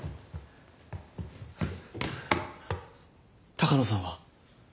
鷹野さんは？